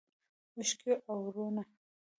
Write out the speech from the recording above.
اوښکې اورونه